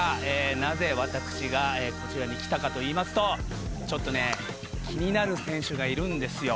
なぜ、私がこちらに来たかといいますと気になる選手がいるんですよ。